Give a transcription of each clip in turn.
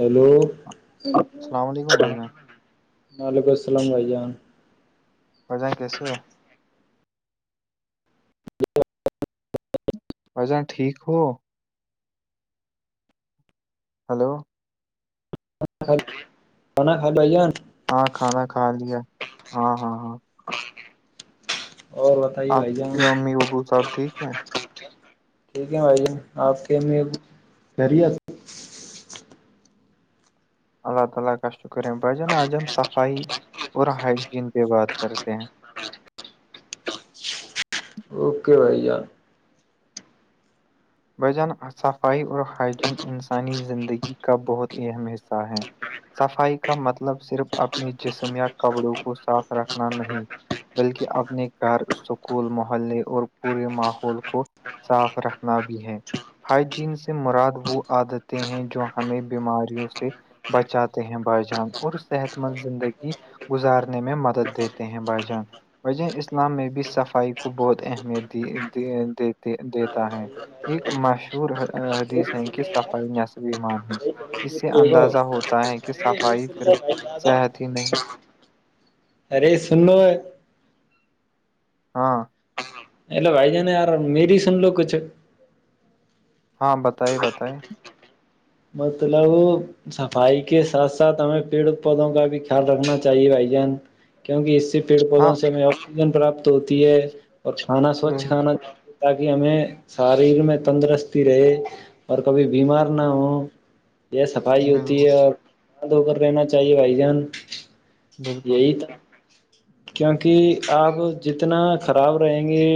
Hello السلام علیکم بھائی جان وعلیکم السلام بھائی جان بجائن کےسو ج [inaudible] بھائی جان ٹھیک ہو ہلو ان کانا کائے بائی جان [inaudible] ہاں کھانا کھا لیا ہاں ہاں ہاں اور بتائیے آپ بھائی جان کی امی ابو صاحب ٹھیک ہیں ٹھیک ہے بھائی جان آپ کے میں گی کا شکر ہے بھائی جان اج صفائی اور بات کرتے ہیں اوکے بھیا بجان صفائی اور ہائجین انسانی زندگی کا بہت اہم حصہ ہے صفائی کا مطلب صرف اپنے جسم یا کپڑوں کو صاف رکھنا نہیں بلکہ اپنے گھر سکول محلے اور پورے ماحول کو صاف رکھنا بھی ہیں ہائجین سے مراد وہ عادتیں ہیں جو ہمیں بیماریوں سے بچاتے ہیں بائی جان اور صحت مند زندگی گزارنے میں مدد دیتے ہیں بھائی جان وجہ اسلام میں بھی صفائی کو بہت اہمیت دی دی دیتا ہے ایک مشہور حدیث ہے کہ صفائیس ومان ہے اس سے اندازہ ہوتا ہے کہ صفائی صرف صحت ہی نہیں ارے سن ہاں ا ل بھائی ج نے ار میری سن لو کچھ ہاں بتائیے بتے مطلب صفائی کے ساتھ ساتھ ہمیں پیڑ پودوں کا بھی خیال رکھنا چاہیے بھائی جان کیونکہ اس سے پیڑ ہاں پودوں سے ہمیں آکسیجن پراپت ہوتی ہے اور کھانا سوچھ بالکل کھانا تاکہ ہمیں شاریر میں تندرستی رہے اور کبھی بیمار نہ ہوں یہ صفائی ہوتی بالکل ہے اور ہاتھ دھ کر رہنا چاہیے بھائی جان بالکل یہی تو کیونکہ آپ جتنا خراب رہیں گے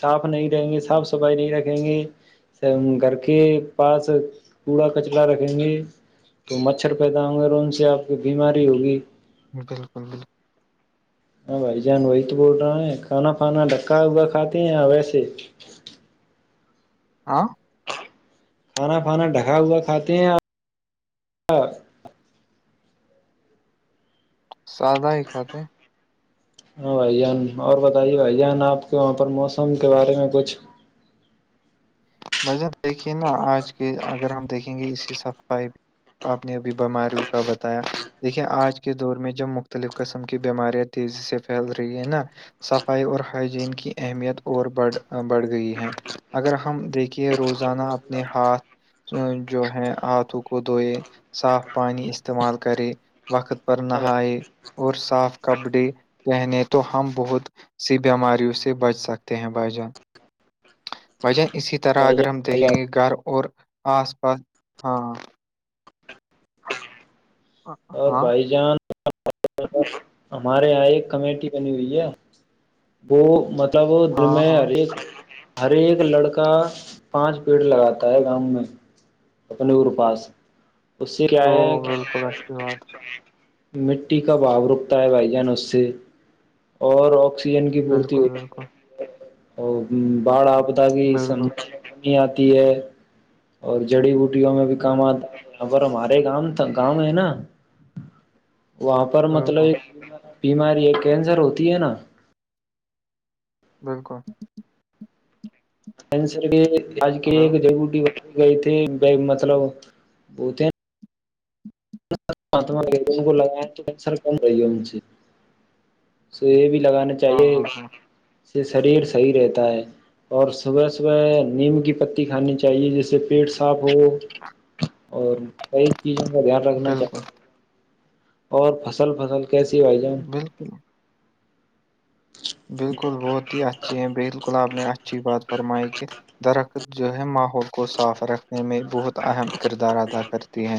صاف نہیں رہیں گے صاف صفائی نہیں رکھیں گے س گھر کے پاس کوڑا کچرا رکھیں گے تو مچھر پیدا ہوں گے اور ان سے آپ کی بیماری ہوگی بالکل بالکل ہاں بھائی جان وہی تو بول رہا ہیں کانا پھانا ڈھکا ہوا کھاتے ہیں ویسے ہاں کھانا پھانا ڈھکا ہوا کھاتے ہیں آپ سادہ ہی کات ہیں ہاں بھائی جان اور بتائیے بھآئی جان آپ کے وہاں پر موسم کے بارے میں کچھ بھائی جان دیکھیے نا آج کے اگر ہم دیکھیں گے اس کی سفائی آپ نے ابھی بیماریوں کا بتایا دیکھیے آج کے دور میں جب مختلف قسم کی بیماریاں تیزی سے پھیل رہی ہے نا صفائی اور ہائجین کی اہمیت اور بڑھ گئی ہے اگر ہم دیکھے کہ روزانہ اپنے ہاتھ جو ہے ہاتھوں کو دھوئے صاف پانی کا استعمال کرے وقت پر ہاں نہائے اور صاف کپڑے پہنے تو ہم بہت سے بیماریوں سے بچ سکتے ہیں بھائی جان بھائی جان اسی طرح طرح بھائی اگر ہم دیکھیں جان گے گھر اور آس پاس ہاں ہاں اور بھائی جان ہمارے یہاں ایک کمیٹی بنی ہوئی ہے وہ مطلب جو ہاں میں ہاں ہر ایک ہر ایک لڑکا پانچ پیڑ لگاتا ہے گاؤں میں اپنے گھرو کے پاس اس سے کیا وہ ہے بالکل اچھی بات مٹی کا بھاؤ رکتا ہے بھائی جان اس سے اور آکسیجن کی پورتی بالکل ہو بالکل اور باڑھ آپدا کی بالکل سمسیا کتنی آتی ہے اور جڑی بوٹیوں میں بھی کام آتا ہے یہاں پر ہمارے گاؤں مے تو کام ہے نا وہاں پر مطلب بالکل ایک بیماری ہے کینسر ہوتی ہے نا بالکل کینسر کے لیے آج کے ہلو ایک جڑی بوٹی ہوتی ہے مطلب ہوتے ہے نا مطلب پیڑ پودھے لگانے تو کیسر کم ہو رہے نا اس لیے یہ بھی لگا رہے ہے ہاں چاہیے ہاں اس ہاں سے شریر صحی رہتا ہے اور صبح صبح نیم کی پتی کھانی چاہیے جس سے پیٹ صاف ہو اور کئی چیزوں کا دھیان رکھنا چاہیے بالکل اور فصل وصل کیسی بھائی جان بالکل بالکل بہت ہی اچھی اپ بلکل اچھی بات فرمائی کہ درخت جو ہے ماحول کو صاف رکھنے میں بہت اہم کردار ادا کرتی ہے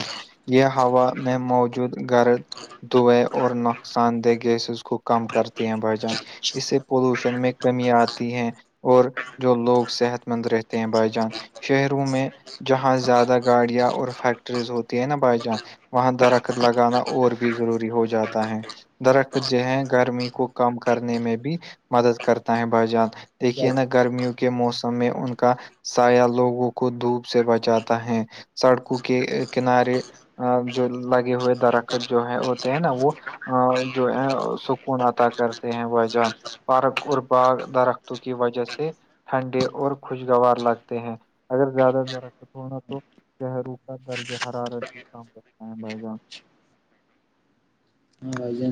یہ ہوا میں موجود گرض دھوئے اور نقصان دہ گیسز کو کم کرتے ہیں بھائی جان اس سے پولوشن میں کمی آتی ہے اور جو لوگ صحت مند رہتے ہیں بھائی جان شہروں میں جہاں زیادہ گاڑیاں اور فیکٹریز ہوتی ہے نا بھائی جان وہاں درخت لگانا اور بھی ضروری ہو جاتا ہے درخت جو ہے گرمی کو کم کرنے میں بھی مدد کرتا ہے بھائی جان ہاں دیکھیے نا گرمیوں کے موسم میں ان کا سایا لوگوں کو دھوپ سے بچاتا ہے سڑکوں کے کنارے آگ جو لگے ہوئے درخت جو ہے ہوتے ہیں نا وہ جو ہے سکون عطا کرتے ہیں جو ہے نا بارک اور باغ درختوں کی وجہ سے ٹھنڈے اور خوشگوار لگتے ہیں اگر زیادہ ترخت ہونا تو شہروں کا درجہ حرارت بھی کام رکھتا ہے بھائی جان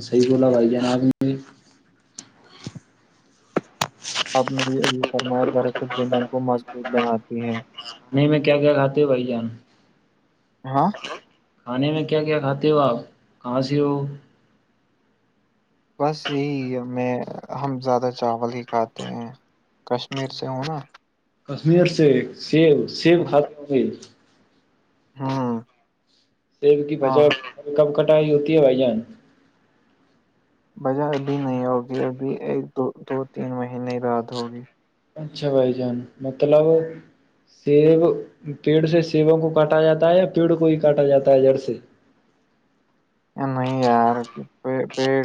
صیح بولا بھائی جان آپ اپنے ابھی ابھی فرمایا کہ درخت زمین کو مضبوط بناتی ہیں نہیں میں کیا کیا کہہ رہا تھا بھائی جان ہاں کھانے میں کیا کیا کھاتے ہو آپ کہاں سے ہو بس یہی ہم میں ہم زیادہ چاول ہی کھاتے ہیں کشمیر سے ہووں نا کشمیر سے سیب سیب کھاتی ہوں گی ہاں سیب کی فجا کب کٹائی ہوتی ہے بھائی جان بجہ ابھی نہیں ہوگی ابھی ایک دو دو تین مہینے رعد ہوگی اچھا بھائی جان مطلب سیب پیڑ سے سیبوں کو کاٹا جاتا ہے یا پیڑ کو ہی کاٹا جاتا ہے جڑ سے نہیں یار کہ پیڑ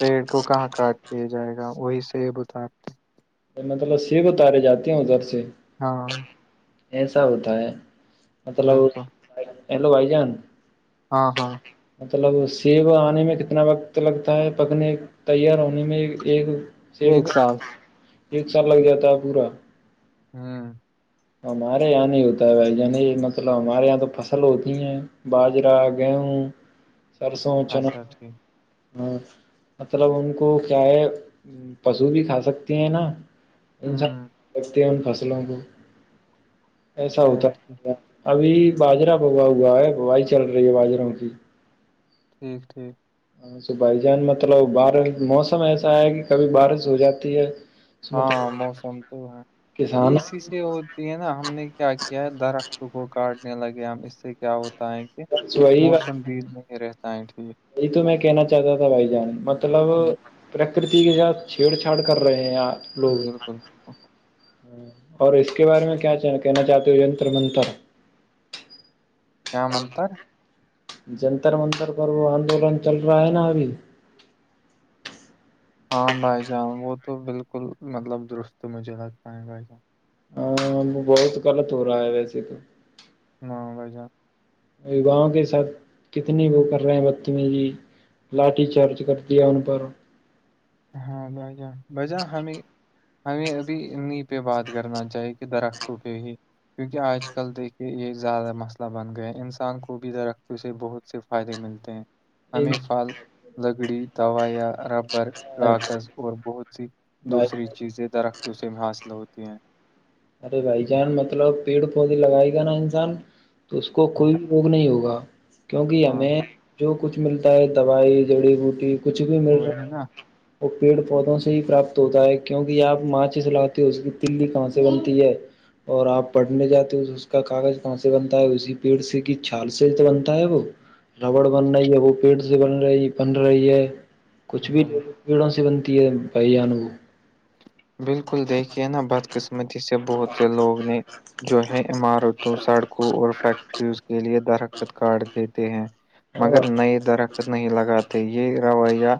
پیڑ کو کہاں کاٹ دیا جائے گا وہی سے یہ اتارتے میںطلب سیب اتارے جاتی ادھر سے ہاں ایسا ہوتا ہے مطلب بالکل ہیلو بھائی جان ہاں ہاں مطلب سیب آنے میں کتنا وقت لگتا ہے پکنے تیار ہونے میں ایک سے ایک سال ایک سال لگ جاتا ہے پورا [unintelligible] ہمارے یہاں نہیں ہوتا ہے بھائی عنی مطلب ہمارے یہاں تو فصل ہوتی ہیں باجرا گیہوں سرسوں اچھا چنا ٹھیک ہاں مطلب ان کو کیا ہے پشو بھی کھا سکتے ہیں نا ہوں انسب لگتے ہیں ان فصلوں کو ایسا اچھا، ہوتا ٹھیک ابھی باجرہ با ہوا ہے بوائی چل رہی ہے باجروں کی ٹھیک ٹھیک اں س بھائی جان مطلب بارش موسم ایسا ہے کہ کبھی بارش ہو جاتی ہے ہاں مطلب موسم تو ہے کسان اس ہوتی ہے نا ہم نے کیا کیا ہے درخت کو کاٹنے لگے ہم اس سے کیا ہوتا ہے کہ موسم بھی نہیں ریتائ ٹھیک جی تو میں کہنا چاہتا تھا بھائی جان مطلب بالکل پرکرتی کے ساتھ چھیڑ چھاڑ کر رہے ہیں آ لوگ بالکل، اور اس کے بارے میں کیا کہنا چاہتی ہوں نتر منتر کیا نتر جنتر منتر پر وہ آندولن چل رہا ہے نا ابھی ہاں بھائی جان وہ تو بالکل مطلب درست مجھے لگتا ہے بھائی جان بہت غلط ہو رہا ہے ویسے تو ہاں ب جان گاؤں کے ساتھ کتنے وہ کر رہے ہیں بقتمی جی لاٹھی چارج کر دیا ن پرار ہاں ب جا ب جا ہمیں ہمیں ابھی انیں پہ بات کرنا چاہیے کہ درختوں پہ ہی کیونکہ آج کل دیکھیے یہ زیادہ مسئلہ بن گیا ہے انسان کو بھی درختوں سے بہت سے فائدے ملتے ہیں ہمیں پھل لکڑی دوائیاں ربر کاغذ اور بہت سی بھائی دوسری چیزیں درختوں سے میں حاصل ہوتی ہیں ارے بھائی جان مطلب پیڑ پودے لگائے گا نا انسان تو اس کو ہاں کوئی روگ نہیں ہوگا کیونکہ ہاں ہمیں جو کچھ ملتا ہے دوائی جڑی بوٹی کچھ بھی مل وہی رہا نا وہ پیڑ پودوں سے ہی پراپت ہوتا ہے کیوںکہ آپ ماںچ سے لاتے ہو اس کی تلی کہاں سے بنت ہے اور آپ پڑھنے جاتے ہو اس کا کاغذ کہاں سے بنتا ہے اسی پیڑ سے کی چھال سے تو بنتا ہے وہ ربڑ بن رہی ہے وہ پیڑ سے بن رہی بن رہی ہے کچھ بھی بالکل پیڑوں سے بنتی ہے بھائی جان وہ بالکل دیکھیے نا بد قسمتی سے بہت لوگ نے جو ہے عمارتوں سڑکوں اور فیکٹریز کے لیے درکت کارڈ دیتے ہیں مگر نئے درخت نہیں لگاتے یہ رویہ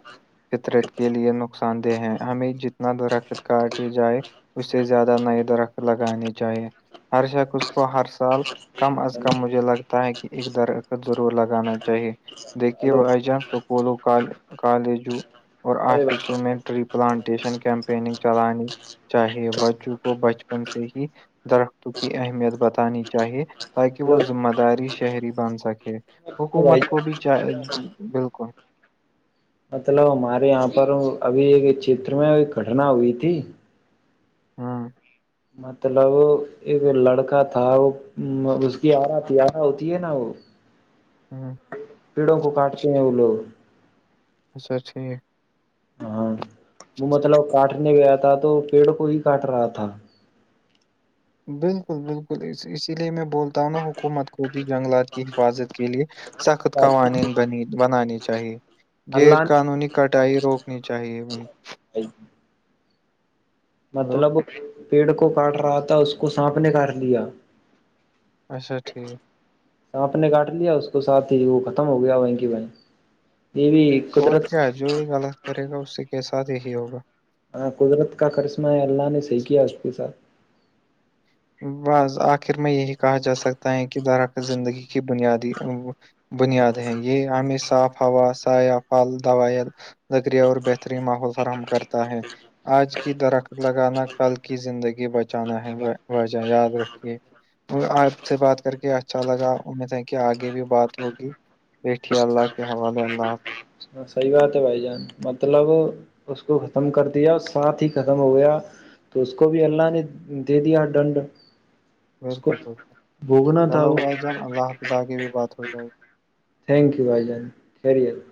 فطرت کے لیے نقصان دہ ہیں ہمیں جتنا درا کاٹی جائے اسے زیادہ نئی درخت لگانی چاہیے ہر شخص اس کو ہر سال کم از کم مجھے لگتا ہے کہ ایک درت ضرور لگانا چاہیے دیکھیے ہلو وہ جان سپولوںال کالجوں اور ارے آفسوں میں ٹری پلانٹیشن کیمپیننگ چلانی چاہے وج کو بچپن سے ہی درختوں کی اہمیت بتانی چاہیے تاکہ ہلو وہ ذمہ داری شہری بن سکے بھائی حکومت کو بھی جان، چاہ بالکل مطلب ہمارے یہاں پر ابھی ایک چتر میں گٹنا ہوئی تھی ہاں مطلب ایک لڑکا تھا وہ اس کی آرا تارا ہوتی ہے نا وہ ہاں پڑوں کو کاٹ کے نہیں اولو اچا ٹھیک ہاں وہ مطلب کاٹنے گیا تھا تو پیڑ کو ہی کاٹ رہا تھا بالکل بالکل اس اسی لیے میں بولتا ہوں نا حکومت کو بھی جنگلات کی حفاظت کے لیے سخت قوانین بنی بنانی چاہیے غیر اللہ نے قانونی کٹائی روکنی چاہیے انہیں [inaudible] کو۔ ہلو مطلب پیڑ کو کاٹ رہا تھا اس کو سانپ نے کر لیا اچھا ٹھیک سانپ نے کاٹ لیا اس کو ساتھ ہی وہ ختم ہو گیا وہیں کی وہیں یہ بھی اور قدرت کیا جو یہ غلط کرے گا اس سے کےساتھ ہی ہی ہوگا ہاں قدرت کا کرسمہ ہے اللہ نے صحیح کیا اس کے ساتھ ب آخر میں یہی کہا جا سکتا ہے کہ در کا زندگی کی بنیادی بنیاد ہیں یہ ہمیں صاف ہوا سایہ پھل دوائ نذکریہ اور بہترین ماحول فراہم کرتا ہے آج کی درخت لگانا کل کی زندگی بچانا ہے وجہ یاد رکھیے آپ سے بات کر کے اچھا لگا امید ہے کہ آگے بھی بات ہوگی دیکھیے اللہ کے حوالے اللہپ صحیح بات ہے بھائی جان مطلب اس کو ختم کر دیا ساتھ ہی ختم ہو گیا تو اس کو بھی اللہ نے دے دیا دنڈ بالکل بالکل بھوگنا تھا چلو وہ وہھائی جان اللہ حافظ آ کے بھی بات ہو جائے گی تھینک یو بھائی جان خیری اللہ